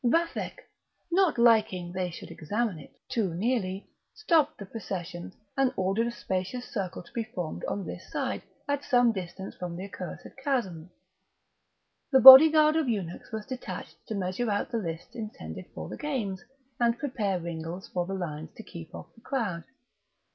Vathek, not liking they should examine it too nearly, stopped the procession, and ordered a spacious circle to be formed on this side, at some distance from the accursed chasm. The body guard of eunuchs was detached to measure out the lists intended for the games, and prepare ringles for the lines to keep off the crowd.